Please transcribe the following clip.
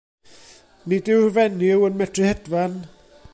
Nid yw'r fenyw yn medru hedfan.